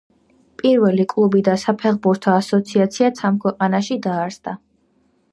პირველი კლუბი და საფეხბურთო ასოციაციაც ამ ქვეყანაში დაარსდა